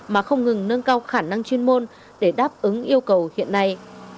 mà không ngừng nâng cao khả năng chuyên môn để đáp ứng yêu cầu hiện nay